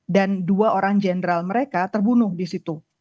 dan dua orang general mereka terbunuh di situ